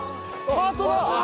ハートだ！